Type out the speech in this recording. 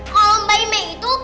kalau mbak imeh itu